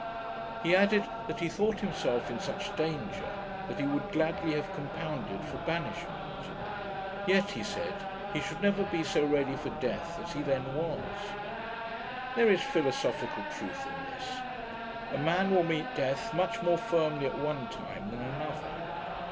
He added, that he thought himself in such danger, that he would gladly have compounded for banishment. Yet, he said, he should never be so ready for death as he then was. There is philosophical truth in this. A man will meet death much more firmly at one time than another.